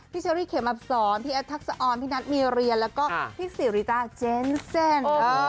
เชอรี่เขมอับสอนพี่แอดทักษะออนพี่นัทมีเรียนแล้วก็พี่สิริต้าเจนเซ่น